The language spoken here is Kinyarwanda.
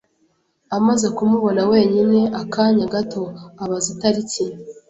Amaze kumubona wenyine akanya gato, abaza itariki.